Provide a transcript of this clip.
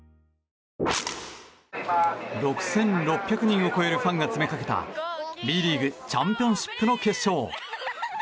６６００人を超えるファンが詰めかけたＢリーグチャンピオンシップの決勝。